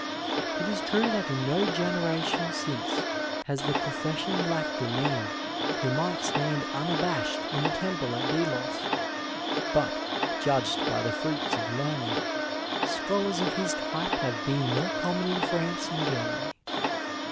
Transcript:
It is true that in no generation since has the profession lacked a man who might stand unabashed in the temple at Delos; but, judged by the fruits of learning, scholars of his type have been more common in France and Germany.